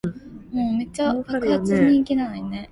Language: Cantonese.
萬事休矣